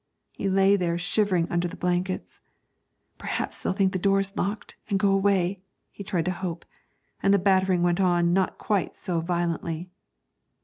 He lay there shivering under the blankets. 'Perhaps they'll think the door's locked, and go away,' he tried to hope, and the battering went on not quite so violently.